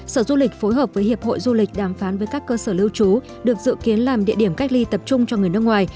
sở du lịch phối hợp với hiệp hội du lịch đàm phán với các cơ sở lưu trú được dự kiến làm địa điểm cách ly tập trung cho người nước ngoài